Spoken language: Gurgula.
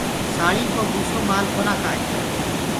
ساݪينٚ ڪو بوُسو مآل ڪونآ کآئي۔